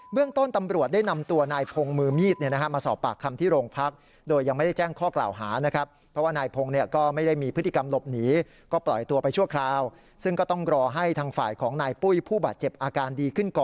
เบื้องต้นตำรวจได้นำตัวนายพงมือมีดมาสอบปากคำที่โรงพักษณ์